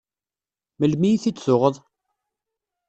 Melmi i t-id-tuɣeḍ?